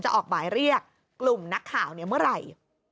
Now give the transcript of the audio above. ออกหมายเรียกกลุ่มนักข่าวเมื่อไหร่